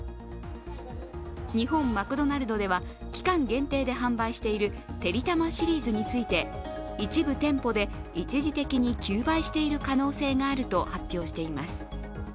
日本マクドナルドでは期間限定で販売しているてりたまシリーズについて一部店舗で一時的に休売している可能性があると発表しています。